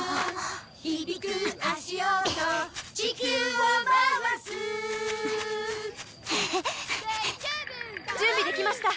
「ひびく足音地球を回す」準備できました。